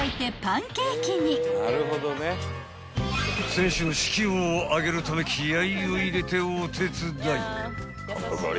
［選手の士気を上げるため気合を入れてお手伝い］